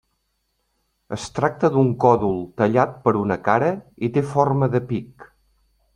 Es tracta d'un còdol tallat per una cara i té forma de pic.